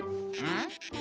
ん？